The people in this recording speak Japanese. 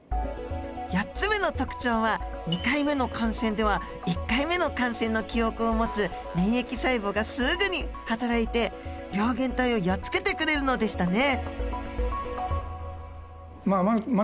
４つ目の特徴は２回目の感染では１回目の感染の記憶を持つ免疫細胞がすぐにはたらいて病原体をやっつけてくれるのでしたね。